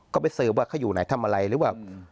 ก็ไปสืบว่าเขาอยู่ไหนทำอะไรหรือว่า